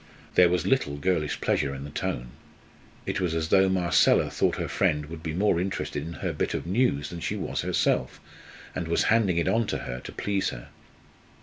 There was little girlish pleasure in the tone. It was as though Marcella thought her friend would be more interested in her bit of news than she was herself, and was handing it on to her to please her.